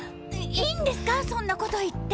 いいいんですかそんなこと言って。